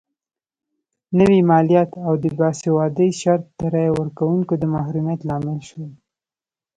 نوي مالیات او د باسوادۍ شرط د رایې ورکونکو د محرومیت لامل شول.